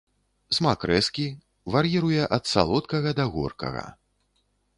Смак рэзкі, вар'іруе ад салодкага да горкага.